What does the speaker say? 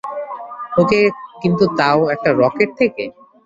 ওকে, কিন্তু তাও, একটা রকেট থেকে?